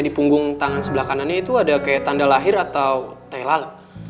di punggung tangan sebelah kanannya itu ada kayak tanda lahir atau thailand